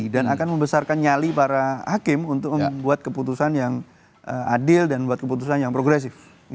dan akan membesarkan nyali para hakim untuk membuat keputusan yang adil dan buat keputusan yang progresif